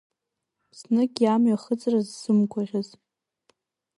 Зныкгьы амҩахыҵра ззымгәаӷьыз.